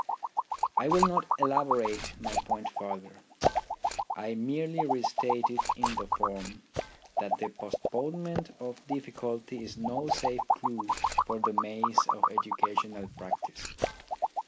I will not elaborate my point further ; I merely restate it in the form, that the postponement of difficulty is no safe clue for the maze of educational practice.